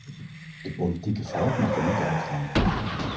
De politieke vaart mag er niet uit gaan.